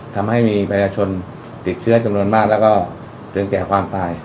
ทำให้มีประชาชนติดเชื้อจำนวนมากแล้วก็ถึงแก่ความตาย